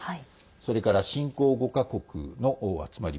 それから新興５か国の集まり